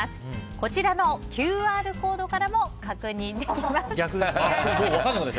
こちらのＱＲコードからも確認できます。